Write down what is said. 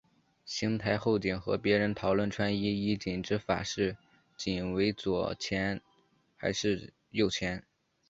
行台侯景和别人讨论穿衣衣襟之法是襟为左前还是右前。